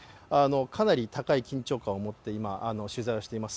かなり高い緊張感をもって今、取材をしています。